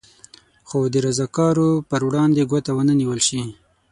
خو د رضاکارو پر وړاندې ګوته ونه نېول شي.